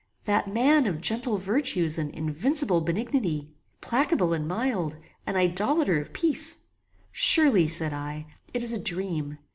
That man of gentle virtues and invincible benignity! placable and mild an idolator of peace! Surely, said I, it is a dream.